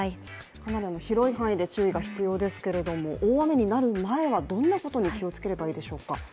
かなり広い範囲で注意が必要ですけれども大雨になる前はどんなことに気をつければいいでしょうか。